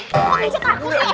kok mencet aku sih